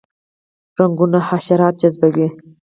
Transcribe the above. رنګونه حشرات جذبوي